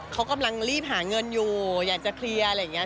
เขากำลังรีบหาเงินอยู่อยากจะเคลียร์อะไรอย่างนี้